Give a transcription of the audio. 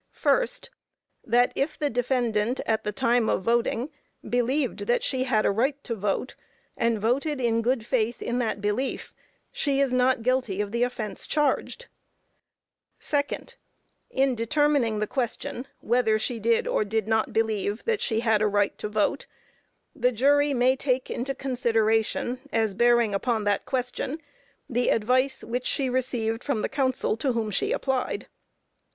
First That if the defendant, at the time of voting, believed that she had a right to vote, and voted in good faith in that belief, she is not guilty of the offence charged. Second In determining the question whether she did or did not believe that she had a right to vote, the jury may take into consideration, as bearing upon that question, the advice which she received from the counsel to whom she applied.